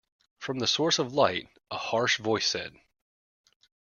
From the source of light a harsh voice said.